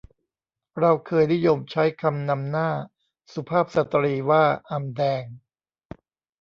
เราเคยนิยมใช้คำนำหน้าสุภาพสตรีว่าอำแดง